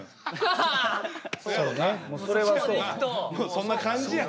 そんな感じや。